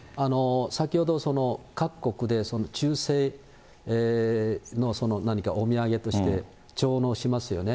先ほど各国で忠誠のその何か、お土産として、上納しますよね。